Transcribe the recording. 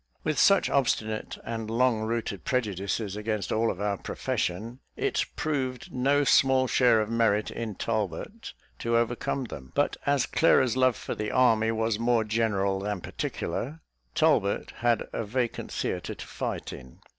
With such obstinate and long rooted prejudices against all of our profession, it proved no small share of merit in Talbot to overcome them. But as Clara's love for the army was more general than particular, Talbot had a vacant theatre to fight in.